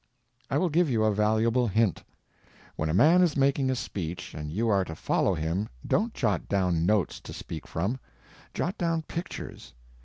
I will give you a valuable hint. When a man is making a speech and you are to follow him don't jot down notes to speak from, jot down PICTURES.